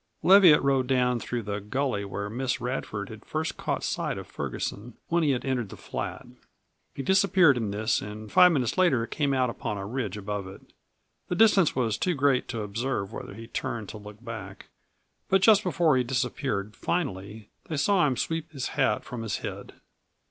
Leviatt rode down through the gully where Miss Radford had first caught sight of Ferguson when he had entered the flat. He disappeared in this and five minutes later came out upon a ridge above it. The distance was too great to observe whether he turned to look back. But just before he disappeared finally they saw him sweep his hat from his head.